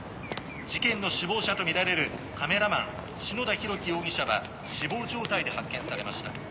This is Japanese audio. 事件の首謀者とみられるカメラマン篠田浩輝容疑者は死亡状態で発見されました。